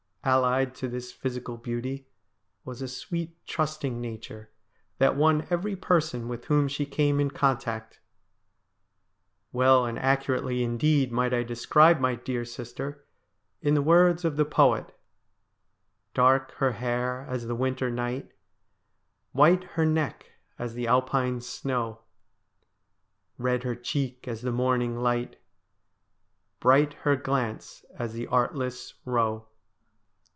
Allied to this physical beauty was a sweet, trusting nature that won every person with whom she came in contact. Well and accurately indeed might I describe my dear sister in the words of the poet : Dark her hair as the winter night, White her neck as the Alpine snow, Red her cheek as the morning light, Bright her glance as the artless roe.